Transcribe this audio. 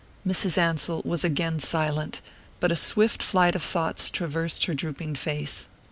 Mrs. Ansell was again silent, but a swift flight of thoughts traversed her drooping face.